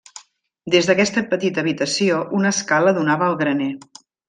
Des d'aquesta petita habitació, una escala donava al graner.